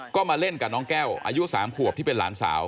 ก็มาเล่นกับน้องแก้วอายุ๓ขวบที่เป็นหลานสาว